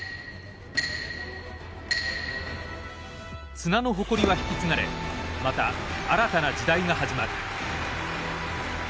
綱の誇りは引き継がれまた新たな時代が始まる。